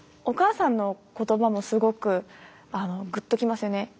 お母さんの言葉もすごくグッときますよね。